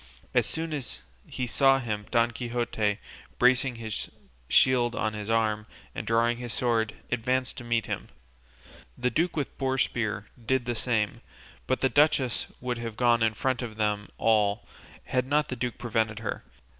As soon as he saw him Don Quixote, bracing his shield on his arm, and drawing his sword, advanced to meet him; the duke with boar spear did the same; but the duchess would have gone in front of them all had not the duke prevented her.